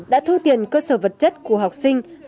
đã thu tiền cơ sở vật chất của học sinh